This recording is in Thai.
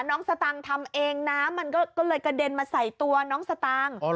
สตางค์ทำเองน้ำมันก็เลยกระเด็นมาใส่ตัวน้องสตางค์